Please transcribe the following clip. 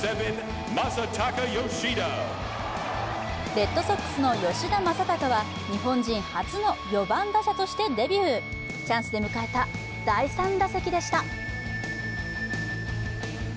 レッドソックスの吉田正尚は日本人初の４番打者としてデビューチャンスで迎えた第３打席でした。